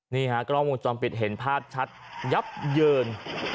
นี่ฮะกล้องวงจรปิดเห็นภาพชัดยับเยิน